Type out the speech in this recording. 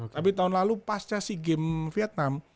tapi tahun lalu pasca si game vietnam